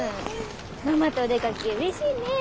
ママとお出かけうれしいね。